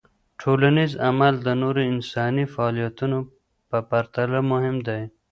ټولنیز عمل د نورو انساني فعالیتونو په پرتله مهم دی.